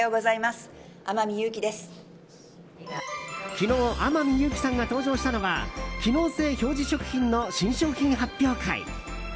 昨日、天海祐希さんが登場したのは機能性表示食品の新商品発表会。